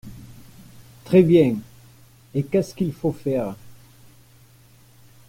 Très bien !… et qu’est-ce qu’il faut faire ?